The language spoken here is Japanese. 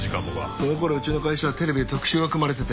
その頃うちの会社テレビで特集が組まれてて。